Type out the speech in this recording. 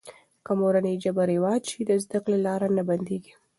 که مورنۍ ژبه رواج سي، د زده کړې لاره نه بندېږي.